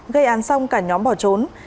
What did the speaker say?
gây án xong cả nhóm bỏ trốn